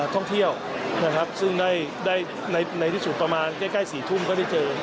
ท่องเที่ยวนะครับซึ่งได้ในที่สุดประมาณใกล้๔ทุ่มก็ได้เจอ